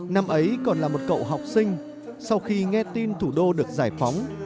năm ấy còn là một cậu học sinh sau khi nghe tin thủ đô được giải phóng